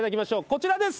こちらです。